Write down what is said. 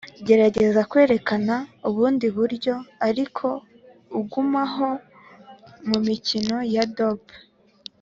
gerageza kwerekana ubundi buryo ariko ugumaho 'mumikino ya dope